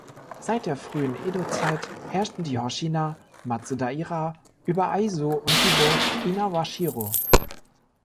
Seit der frühen Edo-Zeit herrschten die Hoshina-Matsudaira über Aizu und die Burg Inawashiro.